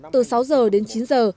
từ sáu giờ đến chín giờ